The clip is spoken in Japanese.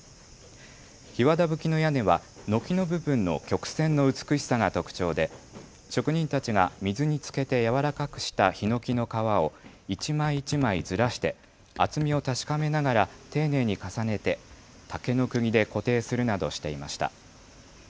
ひわだぶきの屋根は軒の部分の曲線の美しさが特徴で職人たちが水につけてやわらかくしたひのきの皮を一枚一枚ずらして厚みを確かめながら丁寧に重ねて竹のくぎで固定するなどしていました。